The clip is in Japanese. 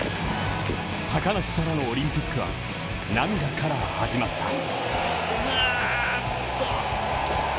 高梨沙羅のオリンピックは涙から始まった。